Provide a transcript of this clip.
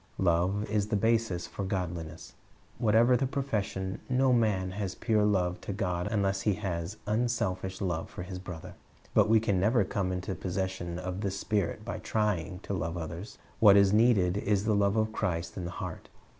Love is the basis of godliness. Whatever the profession, no man has pure love to God unless he has unselfish love for his brother. But we can never come into possession of this spirit by trying to love others. What is needed is the love of Christ in the heart.